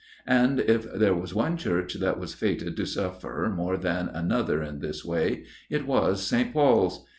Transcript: And if there was one church that was fated to suffer more than another in this way, it was St. Paul's.